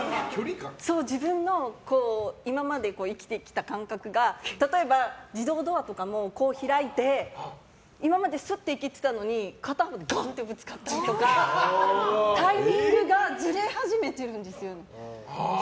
自分の今まで生きてきた感覚が例えば、自動ドアとかも開いて今まで、すって行けていたのに片方でガンってぶつかったりとかタイミングがずれ始めてるんですよね。